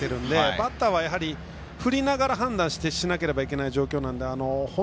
バッターは振りながら判断しなければならない状態です。